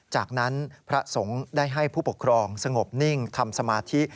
จากนั้นพระสงฆ์ได้ให้ผู้ปกครองสงบนิ่งทำสมาธิ